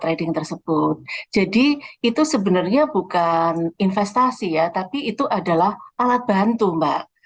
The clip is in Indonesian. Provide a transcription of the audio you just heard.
trading tersebut jadi itu sebenarnya bukan investasi ya tapi itu adalah alat bantu mbak